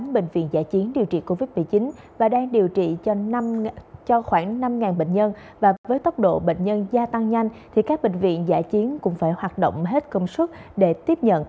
bệnh viện giải chiến số bảy chỉ sau vài ngày hoạt động tại đây đã tiếp nhận